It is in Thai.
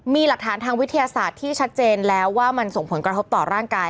มีหลักฐานทางวิทยาศาสตร์ที่ชัดเจนแล้วว่ามันส่งผลกระทบต่อร่างกาย